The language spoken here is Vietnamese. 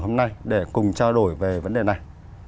hôm nay để cùng trao đổi về vấn đề này